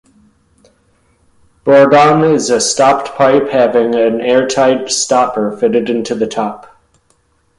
Bourdon is a stopped pipe, having an airtight stopper fitted into the top.